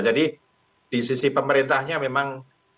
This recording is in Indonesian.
jadi di sisi pemerintahnya memang